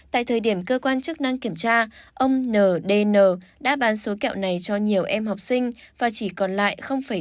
tại thời điểm cơ quan chức năng kiểm tra ông n d n đã bán số kẹo này cho nhiều em học sinh và chỉ còn lại tám